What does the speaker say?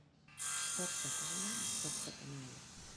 Foc de palla, foc de canalla.